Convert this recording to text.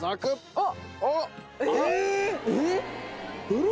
あっ。